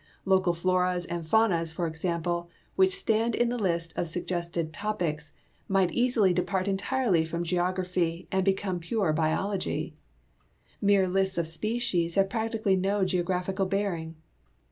Local floras and faunas, for example, which stand in the list of sug gested topics, might easily depart entirely from geography and become pure biology. ISIere lists of species have practically no geographical bearing.